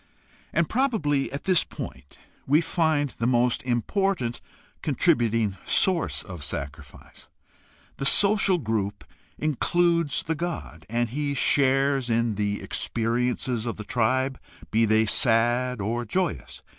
Probably at this point we find the most important contributing source of sacrifice. The social group includes the god, and he shares in the experiences of the tribe, be they sad or joyous.